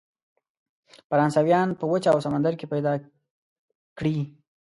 فرانسویان په وچه او سمندر کې پیدا کړي.